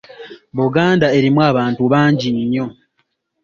Buganda erimu abantu bangi nnyo.